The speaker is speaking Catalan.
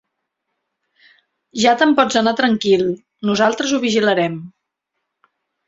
Ja te'n pots anar tranquil: nosaltres ho vigilarem.